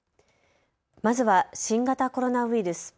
まずは新型コロナウイルス。